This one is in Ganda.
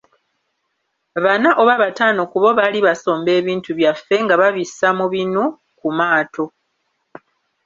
Bana oba bataano ku bo baali basomba ebintu byaffe nga babissa mu binu ku maato.